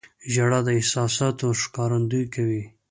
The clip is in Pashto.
• ژړا د احساساتو ښکارندویي کوي.